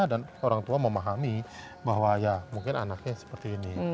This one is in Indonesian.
dan orang tua memahami bahwa ya mungkin anaknya seperti ini